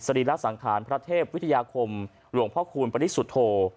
รีระสังขารพระเทพวิทยาคมหลวงพ่อคูณปริสุทธโธ